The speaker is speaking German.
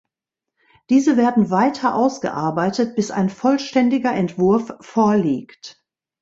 Diese werden weiter ausgearbeitet, bis ein vollständiger Entwurf vorliegt.